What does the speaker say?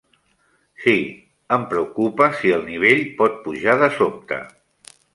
Sí, em preocupa si el nivell pot pujar de sobte.